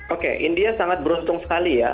oke india sangat beruntung sekali ya